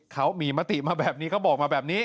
เขามีมติมาแบบนี้เขาบอกมาแบบนี้